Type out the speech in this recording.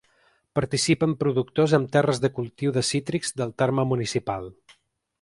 Participen productors amb terres de cultiu de cítrics del terme municipal.